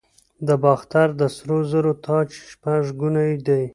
د باختر د سرو زرو تاج شپږ ګونی دی